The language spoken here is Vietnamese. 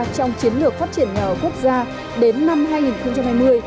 trong chiến lược phát triển nhà ở quốc gia đến năm hai nghìn hai mươi